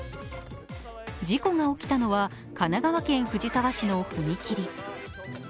事故が起きたのは、神奈川県藤沢市の踏切。